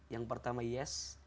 yang pertama yes